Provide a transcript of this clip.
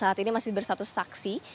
saat ini masih bersatu saksi